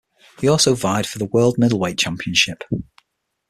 He also vied for the world middleweight championship.